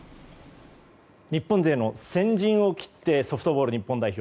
日本勢の先陣を切ってソフトボール日本代表